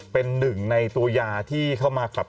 เป็นหนึ่งในตัวยาที่เข้ามาขับ